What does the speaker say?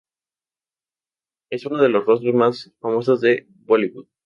Es uno de los rostros más famosos de Bollywood.